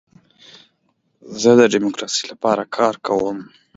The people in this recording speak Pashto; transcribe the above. زه د ډیموکراسۍ لپاره کار کوم.